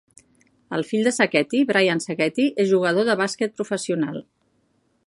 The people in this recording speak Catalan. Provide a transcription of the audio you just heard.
El fill de Saccheti, Brian Sacchetti, és jugador de bàsquet professional.